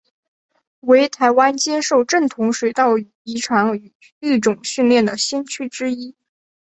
为台湾接受正统水稻遗传与育种训练的先驱之一。